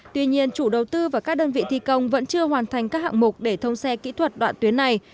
tuy nhiên chủ đầu tư và các đơn vị thi công vẫn chưa hoàn thành các hạng mục để thông xe kỹ thuật đoạn tuyến này